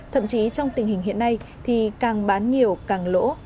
thậm chí trong tình hình hiện nay thì càng bán nhiều càng lỗ